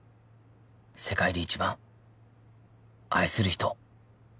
世界で一番愛する人